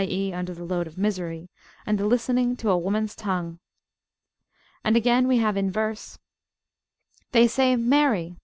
e. under the load of misery), and the listening to a woman's tongue! And again we have in verse: They said marry!